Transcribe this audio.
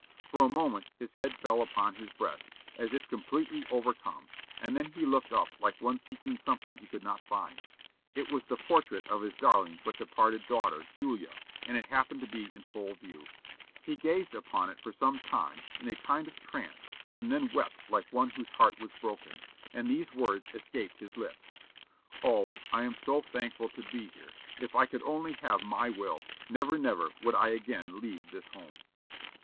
For a moment his head fell upon his breast, as if completely overcome, and he then looked up like one seeking something he could not find. It was the portrait of his darling but departed daughter, Julia, and it happened to be in full view. He gazed upon it for some time in a kind of trance, and then wept like one whose heart was broken, and these words escaped his lips, 'Oh, I am so thankful to be here. If I could only have my will, never, never would I again leave this home!'"